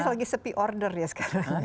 tapi lagi sepi order ya sekarang